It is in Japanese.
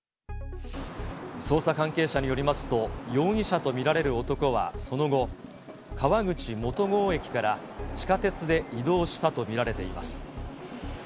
捜査関係者によりますと、容疑者と見られる男はその後、川口元郷駅から地下鉄で移動したと見られています。